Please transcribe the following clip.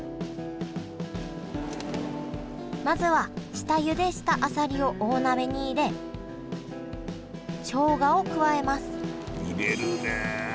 まずは下ゆでしたあさりを大鍋に入れしょうがを加えます入れるねえ。